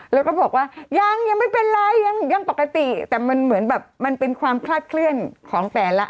แล้วก็บอกว่ายังยังไม่เป็นไรยังปกติแต่มันเหมือนแบบมันเป็นความคลาดเคลื่อนของแต่ละ